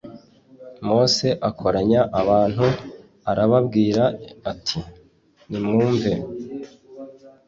Mose akoranya abantu arababwira ati nimwumve